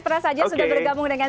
pernah saja sudah bergabung dengan